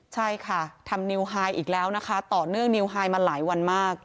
ใช่ค่ะทำนิวไฮอีกแล้วนะคะต่อเนื่องนิวไฮมาหลายวันมาก